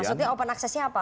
maksudnya open access nya apa